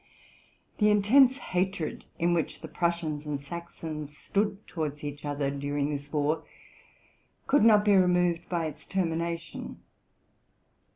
The intense hatred in which the Prussians and Saxons stood towards each other during this war could not be re moved by its termination.